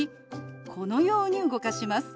このように動かします。